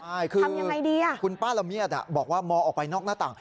ใช่คือคุณป้าละเมียดบอกว่ามอออกไปนอกหน้าต่าง